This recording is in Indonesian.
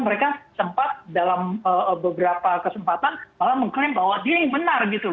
mereka sempat dalam beberapa kesempatan malah mengklaim bahwa dia yang benar gitu